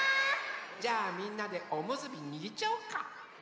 じゃあみんなでおむすびにぎっちゃおうか！